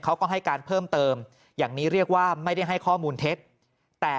เขาก็ให้การเพิ่มเติมอย่างนี้เรียกว่าไม่ได้ให้ข้อมูลเท็จแต่